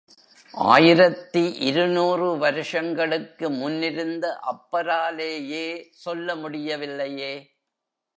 ஆயிரத்து இரு நூறு வருஷங்களுக்கு முன் இருந்த அப்பராலேயே சொல்ல முடியவில்லையே.